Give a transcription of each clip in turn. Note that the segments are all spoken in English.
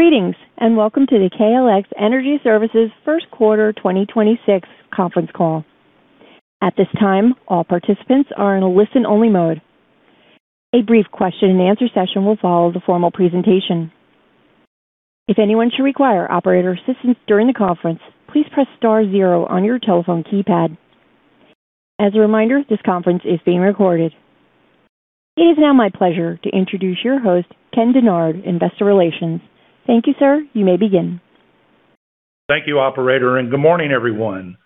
It is now my pleasure to introduce your host, Ken Dennard, Investor Relations. Thank you, sir. You may begin. Thank you, operator, and good morning, everyone.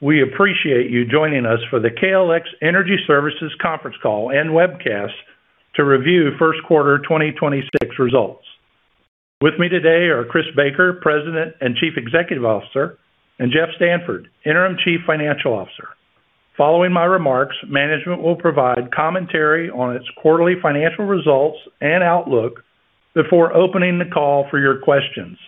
We appreciate you joining us for the KLX Energy Services conference call and webcast to review first quarter 2026 results. With me today are Chris Baker, President and Chief Executive Officer, and Geoff Stanford, Interim Chief Financial Officer. Following my remarks, management will provide commentary on its quarterly financial results and outlook before opening the call for your questions.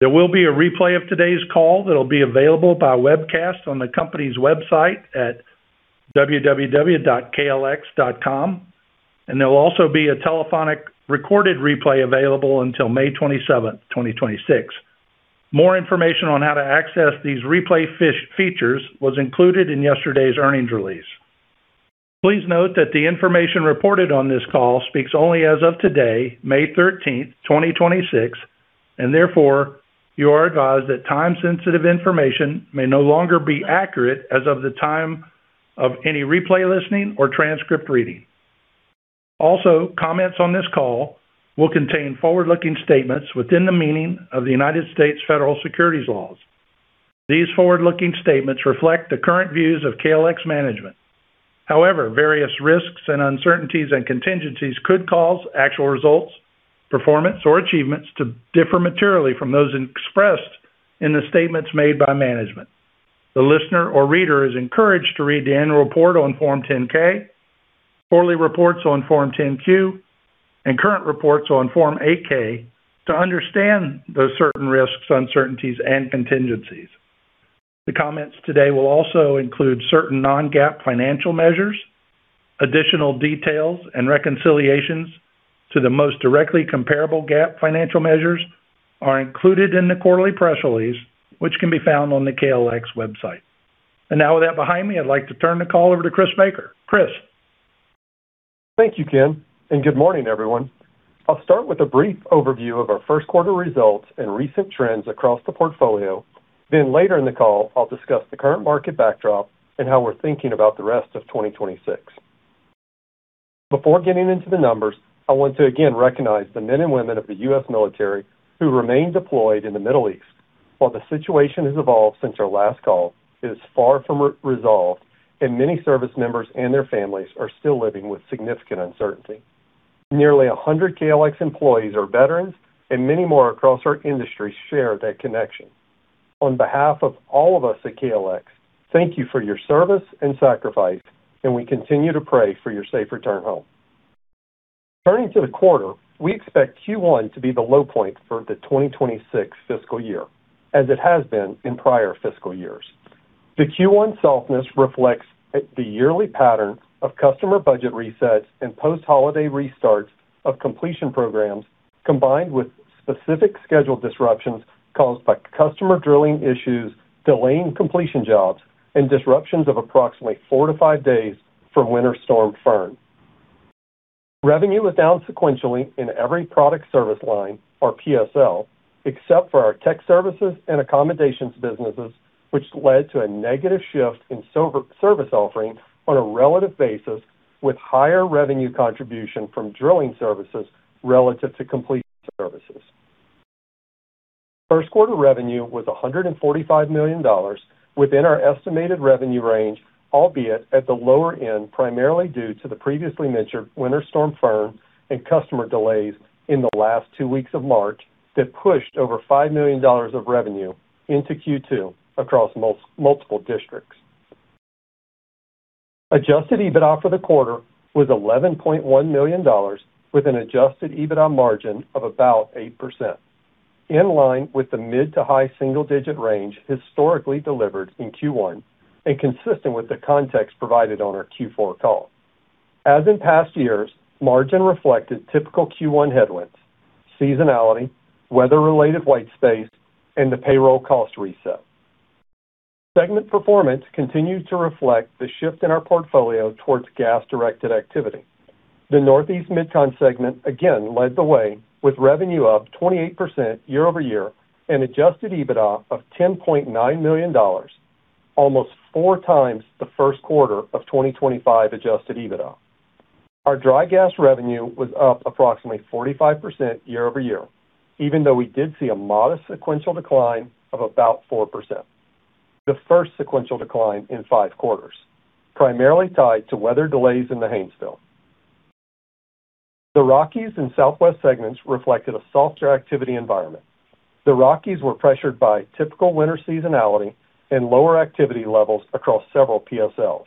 There will be a replay of today's call that'll be available by webcast on the company's website at www.klx.com, and there will also be a telephonic recorded replay available until May 27th, 2026. More information on how to access these replay features was included in yesterday's earnings release. Please note that the information reported on this call speaks only as of today, May 13, 2026, and therefore, you are advised that time-sensitive information may no longer be accurate as of the time of any replay listening or transcript reading. Comments on this call will contain forward-looking statements within the meaning of the U.S. federal securities laws. These forward-looking statements reflect the current views of KLX management. Various risks and uncertainties and contingencies could cause actual results, performance, or achievements to differ materially from those expressed in the statements made by management. The listener or reader is encouraged to read the annual report on Form 10-K, quarterly reports on Form 10-Q, and current reports on Form 8-K to understand those certain risks, uncertainties, and contingencies. The comments today will also include certain non-GAAP financial measures. Additional details and reconciliations to the most directly comparable GAAP financial measures are included in the quarterly press release, which can be found on the KLX website. Now, with that behind me, I'd like to turn the call over to Chris Baker. Chris. Thank you, Ken, and good morning, everyone. I'll start with a brief overview of our first quarter results and recent trends across the portfolio, then later in the call, I'll discuss the current market backdrop and how we're thinking about the rest of 2026. Before getting into the numbers, I want to again recognize the men and women of the U.S. military who remain deployed in the Middle East. While the situation has evolved since our last call, it is far from re-resolved, and many service members and their families are still living with significant uncertainty. Nearly 100 KLX employees are veterans, and many more across our industry share that connection. On behalf of all of us at KLX, thank you for your service and sacrifice, and we continue to pray for your safe return home. Turning to the quarter, we expect Q1 to be the low point for the 2026 fiscal year, as it has been in prior fiscal years. The Q1 softness reflects the yearly pattern of customer budget resets and post-holiday restarts of completion programs, combined with specific scheduled disruptions caused by customer drilling issues delaying completion jobs and disruptions of approximately four to five days from Winter Storm Fern. Revenue was down sequentially in every product service line, or PSL, except for our tech services and accommodations businesses, which led to a negative shift in service offerings on a relative basis, with higher revenue contribution from drilling services relative to completion services. First quarter revenue was $145 million within our estimated revenue range, albeit at the lower end, primarily due to the previously mentioned Winter Storm Fern and customer delays in the last two weeks of March that pushed over $5 million of revenue into Q2 across multiple districts. Adjusted EBITDA for the quarter was $11.1 million, with an Adjusted EBITDA margin of about 8%, in line with the mid to high single-digit range historically delivered in Q1 and consistent with the context provided on our Q4 call. As in past years, margin reflected typical Q1 headwinds, seasonality, weather-related white space, and the payroll cost reset. Segment performance continued to reflect the shift in our portfolio towards gas-directed activity. The Northeast Mid-Continent segment again led the way with revenue up 28% year-over-year and Adjusted EBITDA of $10.9 million, almost 4x the first quarter of 2025 Adjusted EBITDA. Our dry gas revenue was up approximately 45% year-over-year, even though we did see a modest sequential decline of about 4%, the first sequential decline in five quarters, primarily tied to weather delays in the Haynesville. The Rockies and Southwest segments reflected a softer activity environment. The Rockies were pressured by typical winter seasonality and lower activity levels across several PSLs.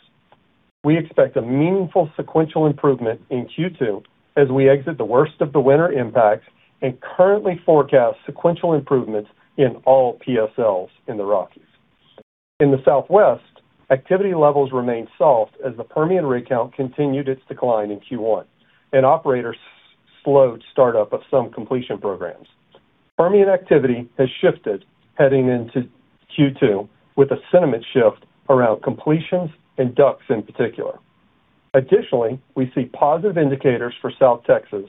We expect a meaningful sequential improvement in Q2 as we exit the worst of the winter impacts and currently forecast sequential improvements in all PSLs in the Rockies. In the Southwest, activity levels remain soft as the Permian rig count continued its decline in Q1, and operators slowed startup of some completion programs. Permian activity has shifted heading into Q2 with a sentiment shift around completions and DUCs in particular. Additionally, we see positive indicators for South Texas,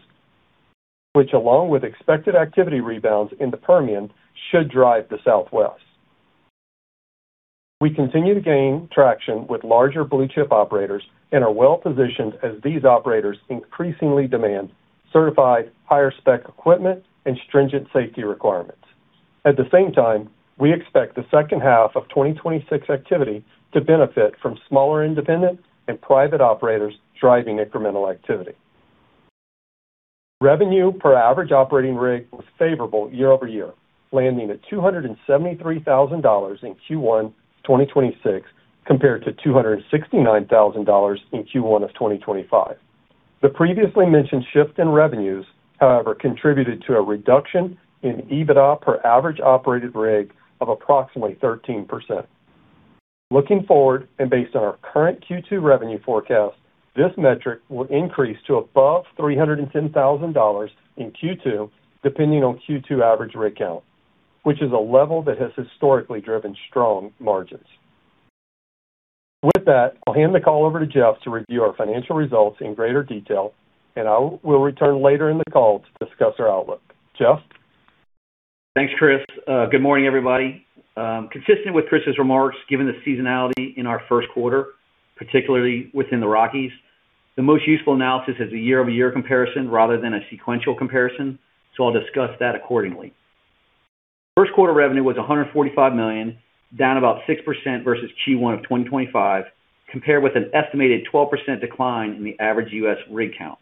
which, along with expected activity rebounds in the Permian, should drive the Southwest. We continue to gain traction with larger blue-chip operators and are well-positioned as these operators increasingly demand certified higher spec equipment and stringent safety requirements. At the same time, we expect the second half of 2026 activity to benefit from smaller, independent and private operators driving incremental activity. Revenue per average operating rig was favorable year-over-year, landing at $273,000 in Q1 2026 compared to $269,000 in Q1 2025. The previously mentioned shift in revenues, however, contributed to a reduction in EBITDA per average operated rig of approximately 13%. Looking forward, based on our current Q2 revenue forecast, this metric will increase to above $310,000 in Q2, depending on Q2 average rig count, which is a level that has historically driven strong margins. With that, I'll hand the call over to Geoff to review our financial results in greater detail, and I will return later in the call to discuss our outlook. Geoff? Thanks, Chris. Good morning, everybody. Consistent with Chris's remarks, given the seasonality in our first quarter, particularly within the Rockies, the most useful analysis is a year-over-year comparison rather than a sequential comparison, so I'll discuss that accordingly. First quarter revenue was $145 million, down about 6% versus Q1 of 2025, compared with an estimated 12% decline in the average U.S. rig count.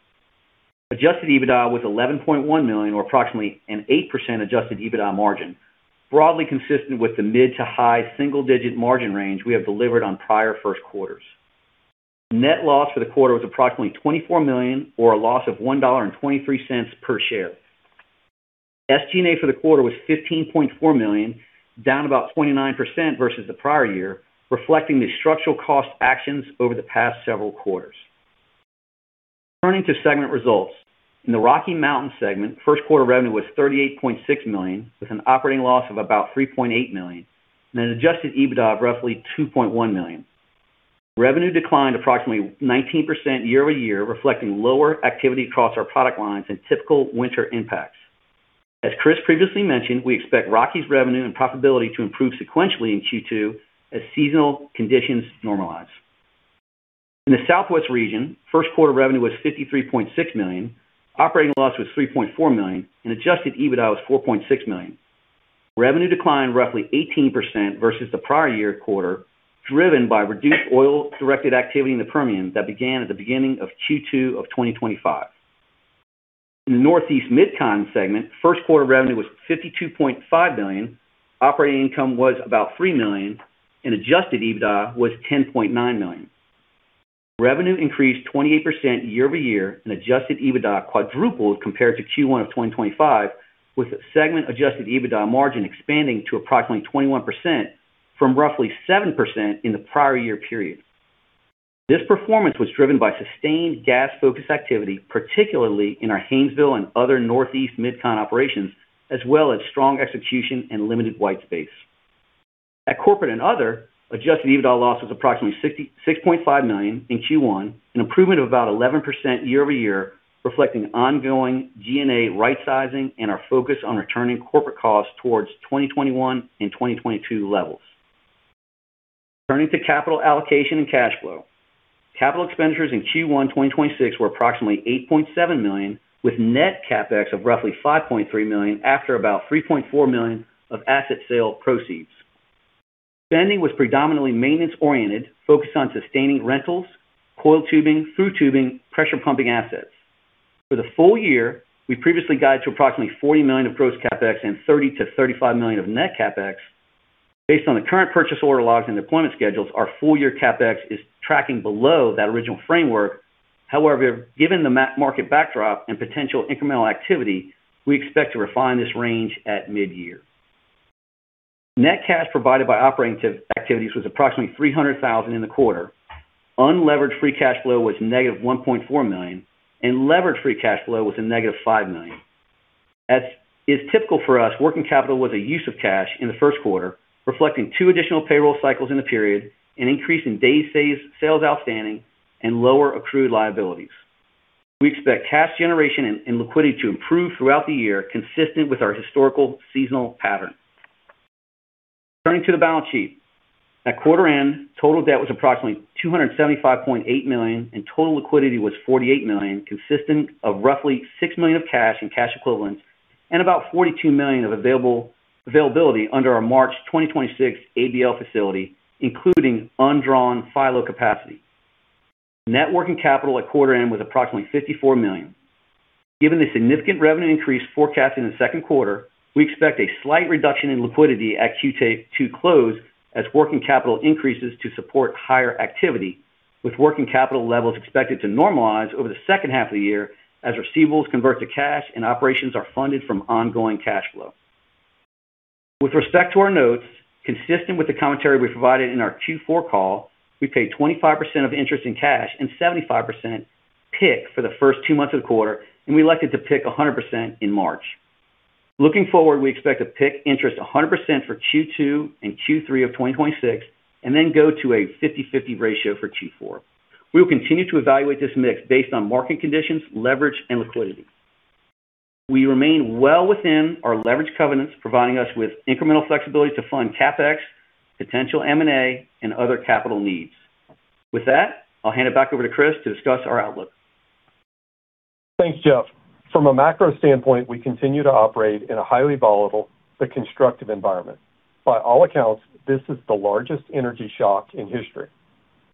Adjusted EBITDA was $11.1 million or approximately an 8% Adjusted EBITDA margin, broadly consistent with the mid to high single-digit margin range we have delivered on prior first quarters. Net loss for the quarter was approximately $24 million or a loss of $1.23 per share. SG&A for the quarter was $15.4 million, down about 29% versus the prior year, reflecting the structural cost actions over the past several quarters. Turning to segment results. In the Rocky Mountain segment, first quarter revenue was $38.6 million, with an operating loss of about $3.8 million and an Adjusted EBITDA of roughly $2.1 million. Revenue declined approximately 19% year-over-year, reflecting lower activity across our product lines and typical winter impacts. As Chris previously mentioned, we expect Rocky's revenue and profitability to improve sequentially in Q2 as seasonal conditions normalize. In the Southwest region, first quarter revenue was $53.6 million, operating loss was $3.4 million, and Adjusted EBITDA was $4.6 million. Revenue declined roughly 18% versus the prior year quarter, driven by reduced oil-directed activity in the Permian that began at the beginning of Q2 of 2025. In the Northeast Mid-Con segment, first quarter revenue was $52.5 million, operating income was about $3 million, and Adjusted EBITDA was $10.9 million. Revenue increased 28% year-over-year, and Adjusted EBITDA quadrupled compared to Q1 of 2025, with segment Adjusted EBITDA margin expanding to approximately 21% from roughly 7% in the prior year period. This performance was driven by sustained gas-focused activity, particularly in our Haynesville and other Northeast Mid-Con operations, as well as strong execution and limited white space. At Corporate and other, Adjusted EBITDA loss was approximately $66.5 million in Q1, an improvement of about 11% year-over-year, reflecting ongoing G&A rightsizing and our focus on returning corporate costs towards 2021 and 2022 levels. Turning to capital allocation and cash flow. Capital expenditures in Q1 2026 were approximately $8.7 million, with net CapEx of roughly $5.3 million after about $3.4 million of asset sale proceeds. Spending was predominantly maintenance-oriented, focused on sustaining rentals, coiled tubing, through-tubing, pressure pumping assets. For the full year, we previously guided to approximately $40 million of gross CapEx and $30 million-$35 million of net CapEx. Based on the current purchase order logs and deployment schedules, our full year CapEx is tracking below that original framework. However, given the market backdrop and potential incremental activity, we expect to refine this range at mid-year. Net cash provided by operating activities was approximately $300,000 in the quarter. Unlevered free cash flow was -$1.4 million, and leveraged free cash flow was a -$5 million. As is typical for us, working capital was a use of cash in the first quarter, reflecting two additional payroll cycles in the period, an increase in Days Sales Outstanding, and lower accrued liabilities. We expect cash generation and liquidity to improve throughout the year, consistent with our historical seasonal pattern. Turning to the balance sheet. At quarter end, total debt was approximately $275.8 million, and total liquidity was $48 million, consisting of roughly $6 million of cash and cash equivalents and about $42 million of availability under our March 2026 ABL facility, including undrawn FILO capacity. Net working capital at quarter end was approximately $54 million. Given the significant revenue increase forecast in the second quarter, we expect a slight reduction in liquidity at Q2 close as working capital increases to support higher activity. With working capital levels expected to normalize over the second half of the year as receivables convert to cash and operations are funded from ongoing cash flow. With respect to our notes, consistent with the commentary we provided in our Q4 call, we paid 25% of interest in cash and 75% PIK for the first two months of the quarter, and we elected to PIK 100% in March. Looking forward, we expect to PIK interest 100% for Q2 and Q3 of 2026, and then go to a 50/50 ratio for Q4. We will continue to evaluate this mix based on market conditions, leverage, and liquidity. We remain well within our leverage covenants, providing us with incremental flexibility to fund CapEx, potential M&A, and other capital needs. With that, I'll hand it back over to Chris to discuss our outlook. Thanks, Geoff. From a macro standpoint, we continue to operate in a highly volatile but constructive environment. By all accounts, this is the largest energy shock in history.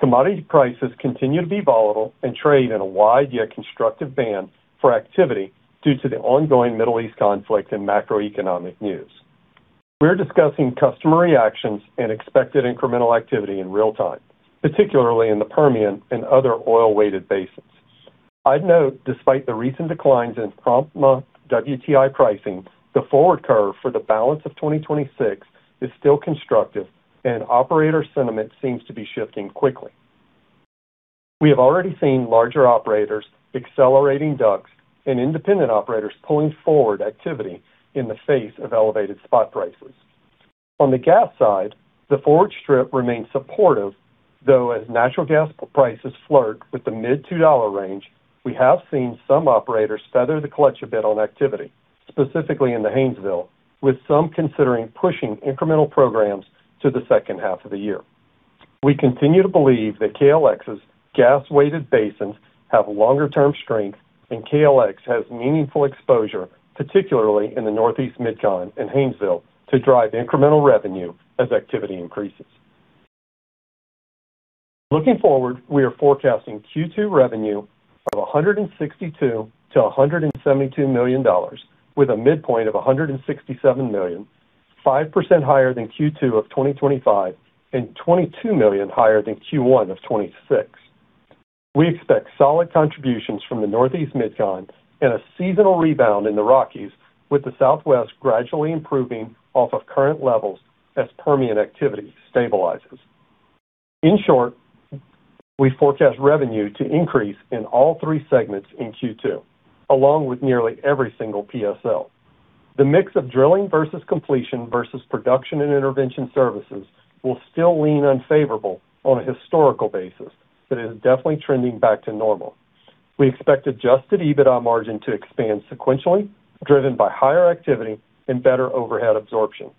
Commodity prices continue to be volatile and trade in a wide yet constructive band for activity due to the ongoing Middle East conflict and macroeconomic news. We're discussing customer reactions and expected incremental activity in real time, particularly in the Permian and other oil-weighted basins. I'd note, despite the recent declines in prompt month WTI pricing, the forward curve for the balance of 2026 is still constructive and operator sentiment seems to be shifting quickly. We have already seen larger operators accelerating DUCs and independent operators pulling forward activity in the face of elevated spot prices. On the gas side, the forward strip remains supportive, though as natural gas prices flirt with the mid $2 range, we have seen some operators feather the clutch a bit on activity, specifically in the Haynesville, with some considering pushing incremental programs to the second half of the year. We continue to believe that KLX's gas-weighted basins have longer-term strength, and KLX has meaningful exposure, particularly in the Northeast Mid-Con and Haynesville, to drive incremental revenue as activity increases. Looking forward, we are forecasting Q2 revenue of $162 million-$172 million with a midpoint of $167 million, 5% higher than Q2 of 2025 and $22 million higher than Q1 of 2026. We expect solid contributions from the Northeast Mid-Con and a seasonal rebound in the Rockies, with the Southwest gradually improving off of current levels as Permian activity stabilizes. We forecast revenue to increase in all three segments in Q2, along with nearly every single PSL. The mix of drilling versus completion versus production and intervention services will still lean unfavorable on a historical basis, but it is definitely trending back to normal. We expect Adjusted EBITDA margin to expand sequentially, driven by higher activity and better overhead absorption.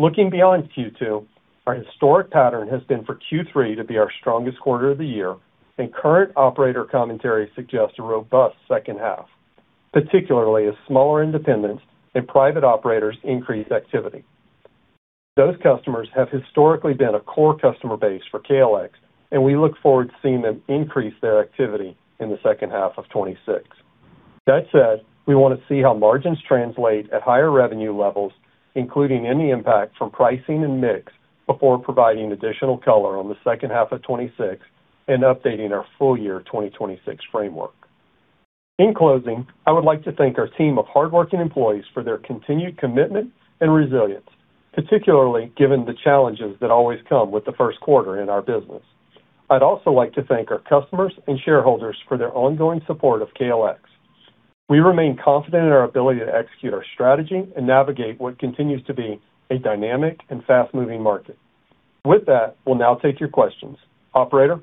Looking beyond Q2, our historic pattern has been for Q3 to be our strongest quarter of the year, and current operator commentary suggests a robust second half, particularly as smaller independents and private operators increase activity. Those customers have historically been a core customer base for KLX, and we look forward to seeing them increase their activity in the second half of 2026. That said, we wanna see how margins translate at higher revenue levels, including any impact from pricing and mix, before providing additional color on the second half of 2026 and updating our full year 2026 framework. In closing, I would like to thank our team of hardworking employees for their continued commitment and resilience, particularly given the challenges that always come with the first quarter in our business. I'd also like to thank our customers and shareholders for their ongoing support of KLX. We remain confident in our ability to execute our strategy and navigate what continues to be a dynamic and fast-moving market. With that, we'll now take your questions. Operator?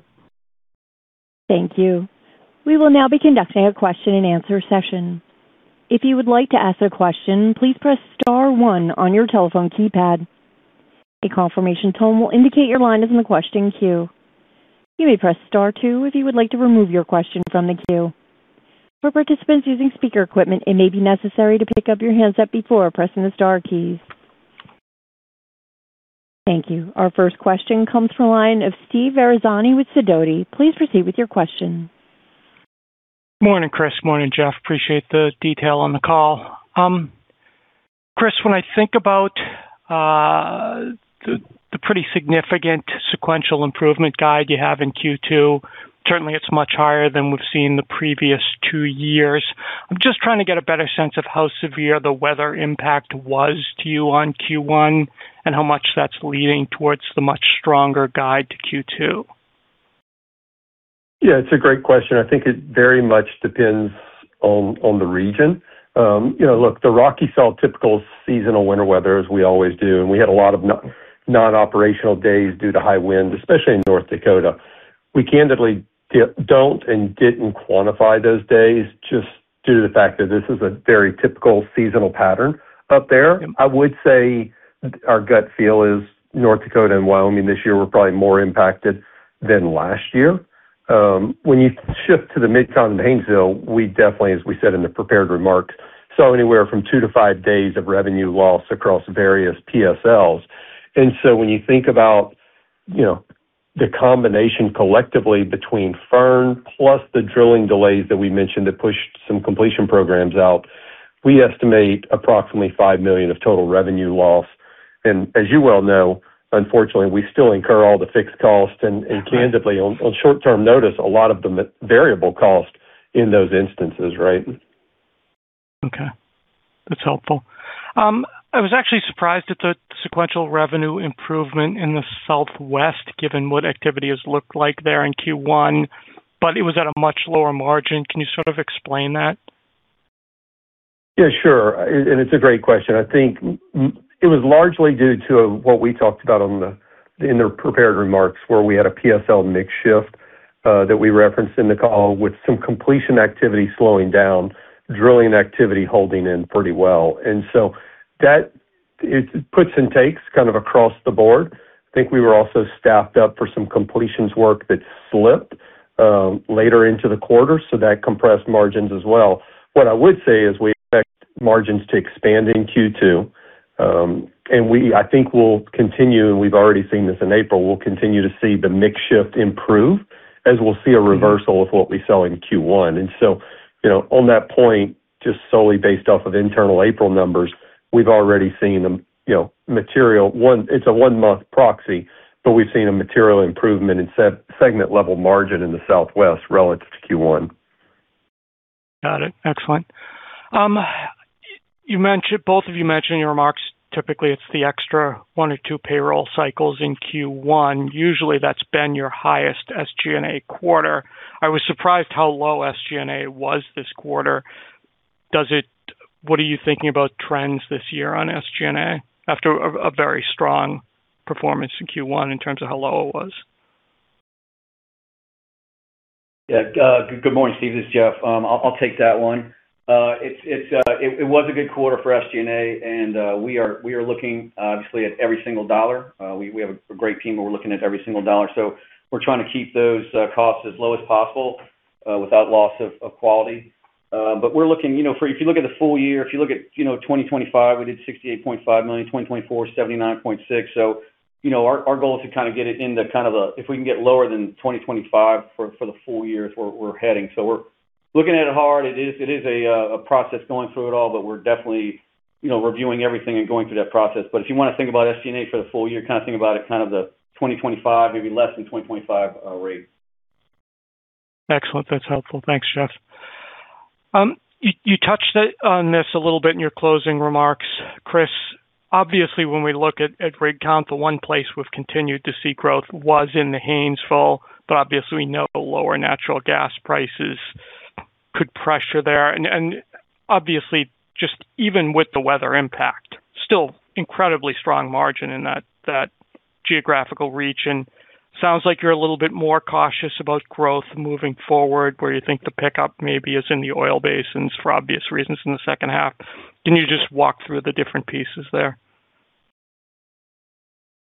Thank you. We will now be conducting a question and answer session. If you would like to ask a question, please press star one on your telephone keypad. A confirmation tone will indicate your line is in the question queue. You may press star two if you would like to remove your question from the queue. For participants using speaker equipment, it may be necessary to pick up your handset before pressing the star keys. Thank you. Our first question comes from line of Steve Ferazani with Sidoti. Please proceed with your question. Morning, Chris. Morning, Geoff. Appreciate the detail on the call. Chris, when I think about the pretty significant sequential improvement guide you have in Q2, certainly it's much higher than we've seen the previous two years. I'm just trying to get a better sense of how severe the weather impact was to you on Q1 and how much that's leading towards the much stronger guide to Q2. Yeah, it's a great question. I think it very much depends on the region. You know, look, the Rockies saw typical seasonal winter weather as we always do, and we had a lot of non-operational days due to high winds, especially in North Dakota. We candidly don't and didn't quantify those days just due to the fact that this is a very typical seasonal pattern up there. I would say our gut feel is North Dakota and Wyoming this year were probably more impacted than last year. When you shift to the Mid-Con and Haynesville, we definitely, as we said in the prepared remarks, saw anywhere from two to five days of revenue loss across various PSLs. When you think about, you know, the combination collectively between Fern plus the drilling delays that we mentioned that pushed some completion programs out. We estimate approximately $5 million of total revenue loss. As you well know, unfortunately, we still incur all the fixed costs, and candidly, on short-term notice, a lot of the variable cost in those instances, right? Okay. That's helpful. I was actually surprised at the sequential revenue improvement in the Southwest, given what activity has looked like there in Q1, but it was at a much lower margin. Can you sort of explain that? Yeah, sure. It's a great question. I think it was largely due to what we talked about in the prepared remarks, where we had a PSL mix shift that we referenced in the call with some completion activity slowing down, drilling activity holding in pretty well. It's puts and takes kind of across the board. I think we were also staffed up for some completions work that slipped later into the quarter, so that compressed margins as well. What I would say is we expect margins to expand in Q2. I think we'll continue, and we've already seen this in April, to see the mix shift improve as we'll see a reversal of what we saw in Q1. You know, on that point, just solely based off of internal April numbers, we've already seen them, you know, material. It's a one-month proxy, we've seen a material improvement in segment level margin in the Southwest relative to Q1. Got it. Excellent. You mentioned both of you mentioned in your remarks, typically it's the extra one or two payroll cycles in Q1. Usually, that's been your highest SG&A quarter. I was surprised how low SG&A was this quarter. What are you thinking about trends this year on SG&A after a very strong performance in Q1 in terms of how low it was? Yeah. Good morning, Steve. This is Geoff. I'll take that one. It was a good quarter for SG&A. We are looking obviously at every single dollar. We have a great team. We're looking at every single dollar. We're trying to keep those costs as low as possible without loss of quality. We're looking, you know. If you look at the full year, if you look at, you know, 2025, we did $68.5 million, 2024, $79.6 million. You know, our goal is to kinda get it into if we can get lower than 2025 for the full year is where we're heading. We're looking at it hard. It is a process going through it all, but we're definitely, you know, reviewing everything and going through that process. If you wanna think about SG&A for the full year, kinda think about it kind of the 25, maybe less than 25, rate. Excellent. That's helpful. Thanks, Geoff. You touched on this a little bit in your closing remarks. Chris, obviously, when we look at rig count, the one place we've continued to see growth was in the Haynesville, but obviously, we know lower natural gas prices could pressure there. Obviously, just even with the weather impact, still incredibly strong margin in that geographical region. Sounds like you're a little bit more cautious about growth moving forward, where you think the pickup maybe is in the oil basins for obvious reasons in the second half. Can you just walk through the different pieces there?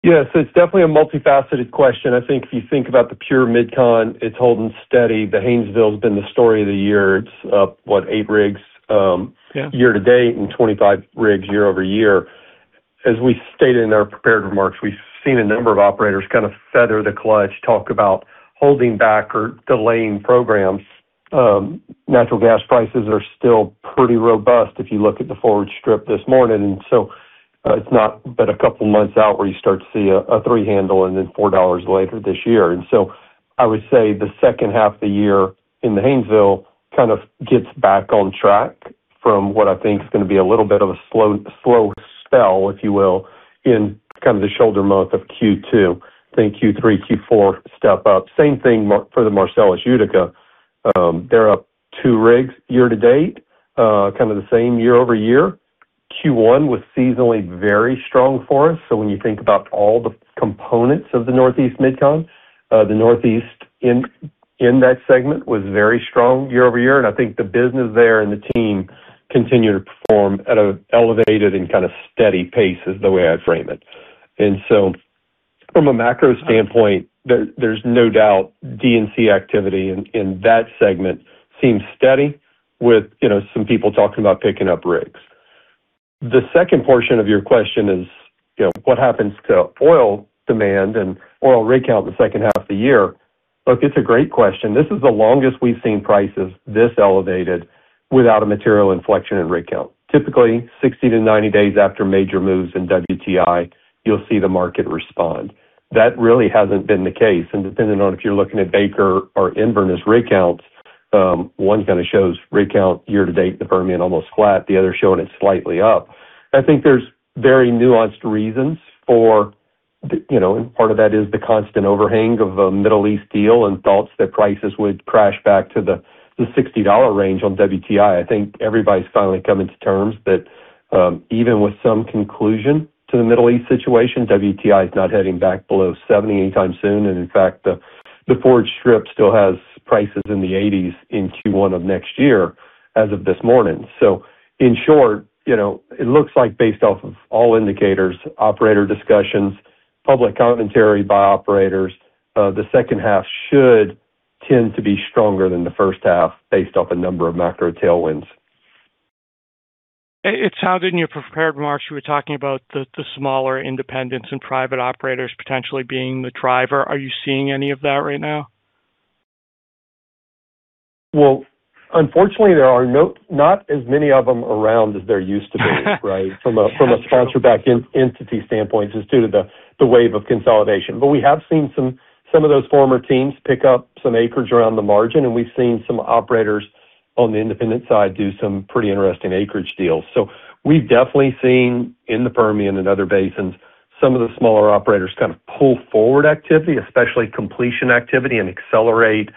Yes. It's definitely a multifaceted question. I think if you think about the pure Mid-Con, it's holding steady. The Haynesville has been the story of the year. It's up, what? eight rigs. Yeah Year-to-date and 25 rigs year-over-year. As we stated in our prepared remarks, we've seen a number of operators kinda feather the clutch, talk about holding back or delaying programs. Natural gas prices are still pretty robust if you look at the forward strip this morning. It's not but a couple months out where you start to see a three handle and then $4 later this year. I would say the second half of the year in the Haynesville kind of gets back on track from what I think is gonna be a little bit of a slow spell, if you will, in kind of the shoulder month of Q2. I think Q3, Q4 step up. Same thing for the Marcellus Utica. They're up two rigs year-to-date, kind of the same year-over-year. Q1 was seasonally very strong for us. When you think about all the components of the Northeast Mid-Con, the Northeast in that segment was very strong year-over-year, and I think the business there and the team continue to perform at an elevated and kinda steady pace, is the way I'd frame it. From a macro standpoint, there's no doubt D&C activity in that segment seems steady with, you know, some people talking about picking up rigs. The second portion of your question is, you know, what happens to oil demand and oil rig count the second half of the year. Look, it's a great question. This is the longest we've seen prices this elevated without a material inflection in rig count. Typically, 60-90 days after major moves in WTI, you'll see the market respond. That really hasn't been the case. Depending on if you're looking at Baker or Enverus rig counts, one kind of shows rig count year-to-date, the Permian almost flat, the other showing it slightly up. I think there's very nuanced reasons for the, you know, and part of that is the constant overhang of a Middle East deal and thoughts that prices would crash back to the $60 range on WTI. I think everybody's finally coming to terms that, even with some conclusion to the Middle East situation, WTI is not heading back below 70 anytime soon. In fact, the forward strip still has prices in the $80s in Q1 of next year as of this morning. In short, you know, it looks like based off of all indicators, operator discussions, public commentary by operators, the second half should tend to be stronger than the first half based off a number of macro tailwinds. It sounded in your prepared remarks, you were talking about the smaller independents and private operators potentially being the driver. Are you seeing any of that right now? Well, unfortunately, there are not as many of them around as there used to be, right? That's true. From a sponsor-backed entity standpoint, it's due to the wave of consolidation. We have seen some of those former teams PIK up some acreage around the margin, and we've seen some operators on the independent side do some pretty interesting acreage deals. We've definitely seen in the Permian and other basins some of the smaller operators kind of pull forward activity, especially completion activity, and accelerate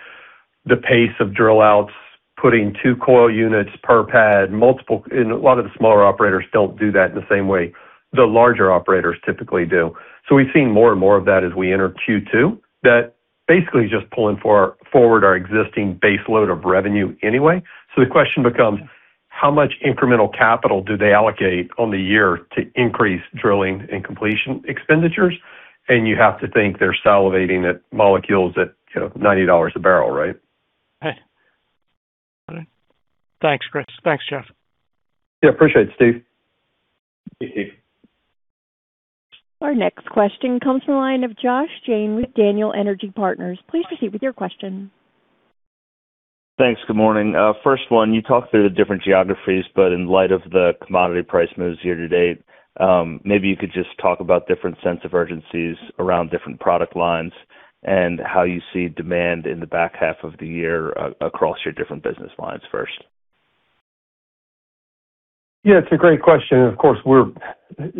the pace of drill outs, putting two coil units per pad. A lot of the smaller operators don't do that in the same way the larger operators typically do. We've seen more and more of that as we enter Q2. That basically is just pulling forward our existing base load of revenue anyway. The question becomes: how much incremental capital do they allocate on the year to increase drilling and completion expenditures? You have to think they're salivating at molecules at, you know, $90 a barrel, right? Right. Thanks, Chris. Thanks, Geoff. Yeah, appreciate it, Steve. Thank you. Our next question comes from the line of Josh Jayne with Daniel Energy Partners. Please proceed with your question. Thanks. Good morning. First one, you talked through the different geographies, but in light of the commodity price moves year-to-date, maybe you could just talk about different sense of urgencies around different product lines and how you see demand in the back half of the year across your different business lines first. Yeah, it's a great question, of course, we're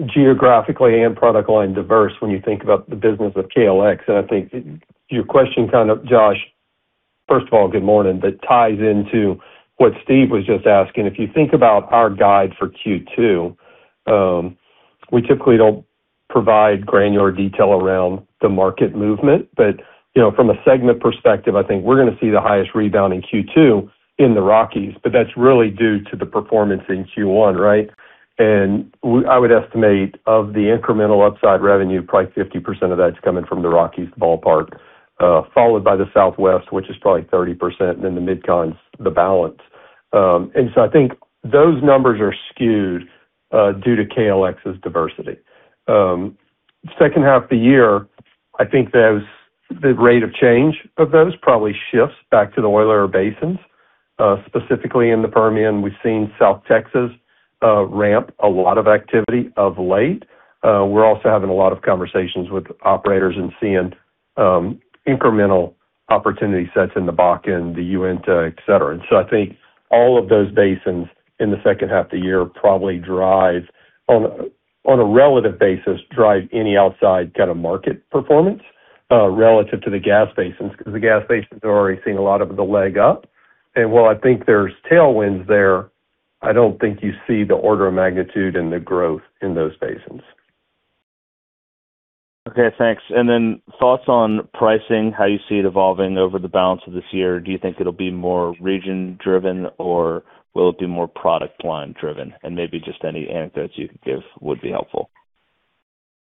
geographically and product line diverse when you think about the business of KLX. I think your question kind of, Josh, first of all, good morning, that ties into what Steve was just asking. If you think about our guide for Q2, we typically don't provide granular detail around the market movement. You know, from a segment perspective, I think we're gonna see the highest rebound in Q2 in the Rockies, but that's really due to the performance in Q1, right? I would estimate of the incremental upside revenue, probably 50% of that's coming from the Rockies ballpark, followed by the Southwest, which is probably 30%, and then the Mid-Cons, the balance. I think those numbers are skewed due to KLX's diversity. Second half of the year, I think the rate of change of those probably shifts back to the oiler basins, specifically in the Permian. We've seen South Texas ramp a lot of activity of late. We're also having a lot of conversations with operators and seeing incremental opportunity sets in the Bakken, the Uinta, et cetera. I think all of those basins in the second half of the year probably drive on a relative basis, drive any outside kind of market performance, relative to the gas basins, 'cause the gas basins are already seeing a lot of the leg up. And while I think there's tailwinds there, I don't think you see the order of magnitude and the growth in those basins. Okay, thanks. Thoughts on pricing, how you see it evolving over the balance of this year. Do you think it'll be more region-driven or will it be more product line-driven? Maybe just any anecdotes you could give would be helpful.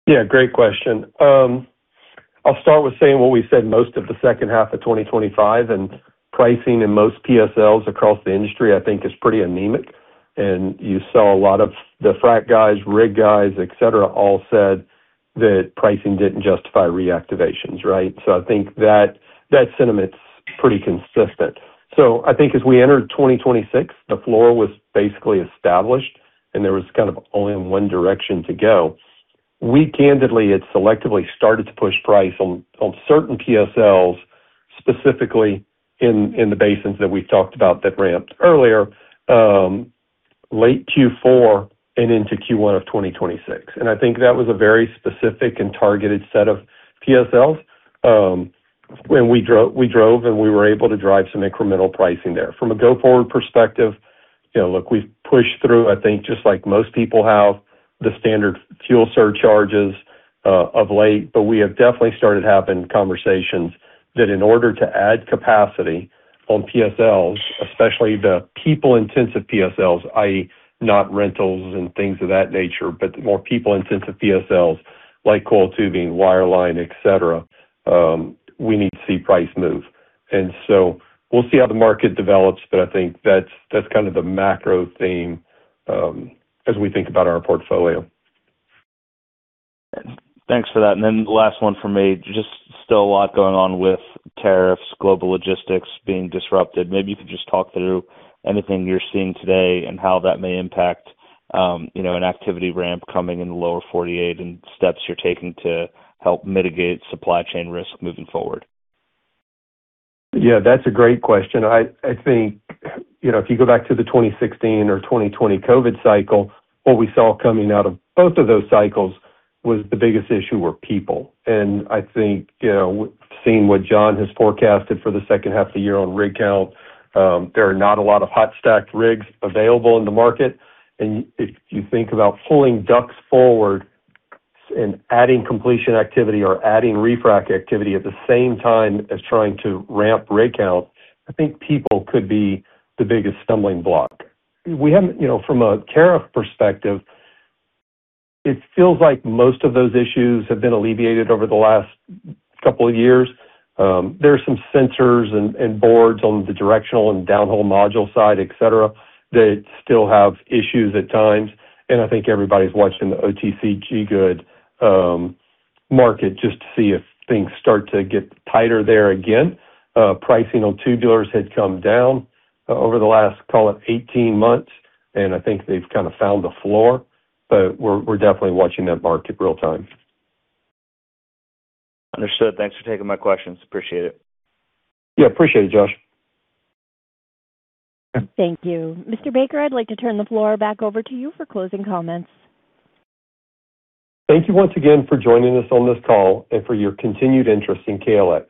Yeah, great question. I'll start with saying what we said most of the second half of 2025, pricing in most PSLs across the industry I think is pretty anemic. You saw a lot of the frac guys, rig guys, et cetera, all said that pricing didn't justify reactivations, right? I think that that sentiment's pretty consistent. I think as we entered 2026, the floor was basically established, and there was kind of only 1 direction to go. We candidly had selectively started to push price on certain PSLs, specifically in the basins that we talked about that ramped earlier, late Q4 and into Q1 of 2026. I think that was a very specific and targeted set of PSLs, when we drove and we were able to drive some incremental pricing there. From a go-forward perspective, you know, look, we've pushed through, I think, just like most people have, the standard fuel surcharges of late. We have definitely started having conversations that in order to add capacity on PSLs, especially the people-intensive PSLs, i.e. not rentals and things of that nature, but more people-intensive PSLs like coiled tubing, wireline, et cetera, we need to see price move. We'll see how the market develops, but I think that's kind of the macro theme as we think about our portfolio. Thanks for that. Last one from me. Just still a lot going on with tariffs, global logistics being disrupted. Maybe you could just talk through anything you're seeing today and how that may impact, you know, an activity ramp coming in the lower 48 and steps you're taking to help mitigate supply chain risk moving forward. Yeah, that's a great question. I think, you know, if you go back to the 2016 or 2020 COVID cycle, what we saw coming out of both of those cycles was the biggest issue were people. I think, you know, seeing what John has forecasted for the second half of the year on rig count, there are not a lot of hot stacked rigs available in the market. If you think about pulling DUCs forward and adding completion activity or adding refrac activity at the same time as trying to ramp rig count, I think people could be the biggest stumbling block. You know, from a tariff perspective, it feels like most of those issues have been alleviated over the last couple of years. There are some sensors and boards on the directional and downhole module side, et cetera, that still have issues at times. I think everybody's watching the OCTG market just to see if things start to get tighter there again. Pricing on tubulars had come down over the last, call it 18 months, and I think they've kinda found the floor. We're, we're definitely watching that market real-time. Understood. Thanks for taking my questions. Appreciate it. Yeah, appreciate it, Josh. Thank you. Mr. Baker, I'd like to turn the floor back over to you for closing comments. Thank you once again for joining us on this call and for your continued interest in KLX.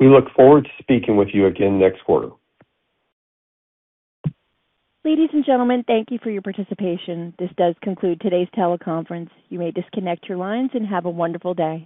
We look forward to speaking with you again next quarter. Ladies and gentlemen, thank you for your participation. This does conclude today's teleconference. You may disconnect your lines and have a wonderful day.